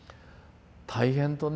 大変とね